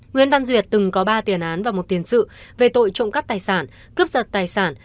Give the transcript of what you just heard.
nguyễn văn duyệt từng có ba tiền án và một tiền sự về tội trộm cắp tài sản cướp giật tài sản